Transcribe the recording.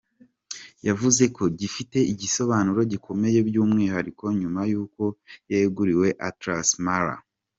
Yavuze ko gifite igisobanuro gikomeye by’umwihariko nyuma y’uko yeguriwe Atlas Mara.